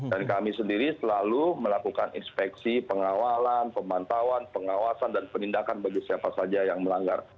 dan kami sendiri selalu melakukan inspeksi pengawalan pemantauan pengawasan dan penindakan bagi siapa saja yang melanggar